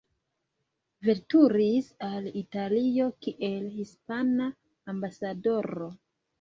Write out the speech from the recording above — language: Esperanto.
Veturis al Italio kiel hispana ambasadoro.